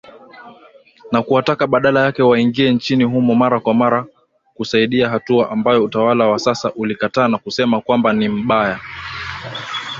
Na kuwataka badala yake waingie nchini humo mara kwa mara kusaidia hatua ambayo utawala wa sasa ulikataa na kusema kwamba ni mbaya